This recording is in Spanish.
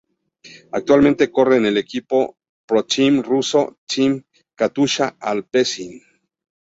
Actualmente corre en el equipo ProTeam ruso Team Katusha-Alpecin.